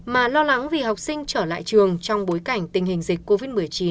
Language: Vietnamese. mà lo lắng vì học sinh trở lại trường trong bối cảnh tình hình dịch covid một mươi chín